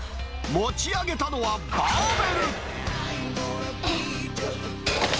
持ち挙げたのはバーベル。